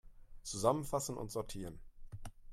Zusammenfassen und sortieren!